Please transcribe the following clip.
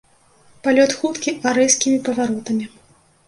Палёт хуткі а рэзкімі паваротамі.